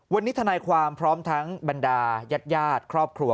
วันนี้ทนายความพร้อมทั้งบรรดายาดครอบครัว